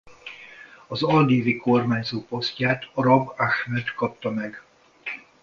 Algíri kormányzói posztját Arab Ahmed kapta meg.